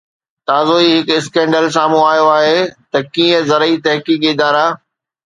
تازو ئي هڪ اسڪينڊل سامهون آيو آهي ته ڪيئن زرعي تحقيقي ادارا